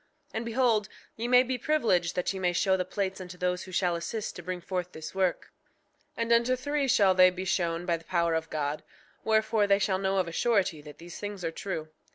5:2 And behold, ye may be privileged that ye may show the plates unto those who shall assist to bring forth this work; 5:3 And unto three shall they be shown by the power of God; wherefore they shall know of a surety that these things are true.